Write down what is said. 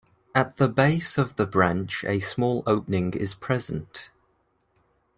At the base of the branch a small opening is present.